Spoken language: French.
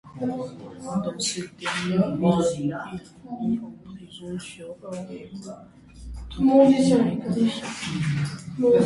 Dans cette dernière ville, il est mis en prison sur ordre d'un évêque méfiant.